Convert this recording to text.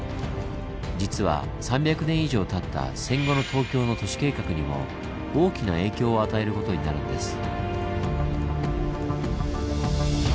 実は３００年以上たった戦後の東京の都市計画にも大きな影響を与えることになるんです。